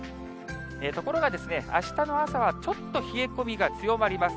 ところが、あしたの朝はちょっと冷え込みが強まります。